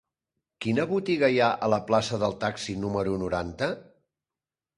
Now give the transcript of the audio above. Quina botiga hi ha a la plaça del Taxi número noranta?